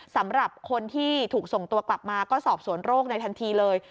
สำหรับคนที่ถูกส่งตัวกลับมาก็สอบสวนโรคในทันทีเลย